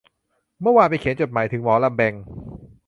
เมื่อวานไปเขียนจดหมายถึงหมอลำแบงค์